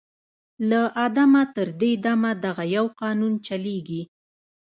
« له آدمه تر دې دمه دغه یو قانون چلیږي